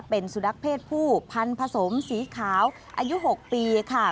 เป็นสุนัขเพศผู้พันธสมสีขาวอายุ๖ปีค่ะ